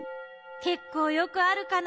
けっこうよくあるかな。